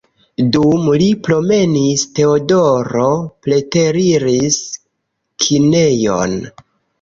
Dum li promenis, Teodoro preteriris kinejon.